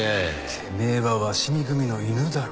てめえは鷲見組の犬だろうが。